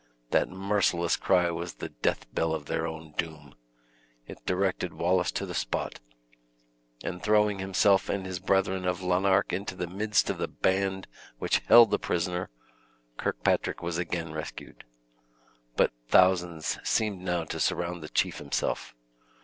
That merciless cry was the death bell of their own doom. It directed Wallace to the spot, and throwing himself and his brethren of Lanark into the midst of the band which held the prisoner, Kirkpatrick was again rescued. But thousands seemed now surrounding the chief himself.